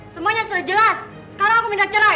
semuanya sudah jelas sekarang aku minta cerah